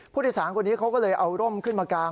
ผู้โดยสารคนนี้เขาก็เลยเอาร่มขึ้นมากาง